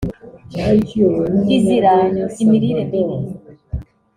izira imirire mibi